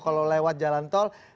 kalau lewat jalan tol